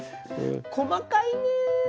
細かいねぇ。